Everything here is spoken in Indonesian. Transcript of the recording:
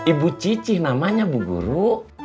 ibu cici namanya ibu guru